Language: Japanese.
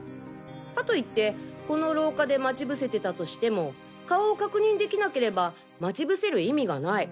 かといってこの廊下で待ち伏せてたとしても顔を確認できなければ待ち伏せる意味がない。